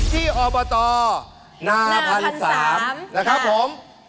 อบตนาพันธ์๓นะครับผม